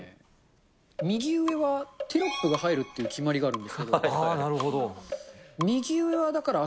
右上はテロップが入るっていう決まりがあるんですけど。